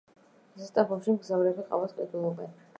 ზესტაფონში მგზავრები ყავას ყიდულობენ.